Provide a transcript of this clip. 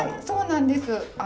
そうなんです。